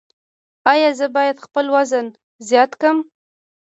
ایا زه باید خپل وزن زیات کړم؟